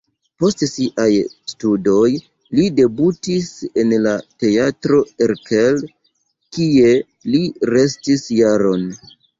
Post siaj studoj li debutis en la Teatro Erkel, kie li restis jaron.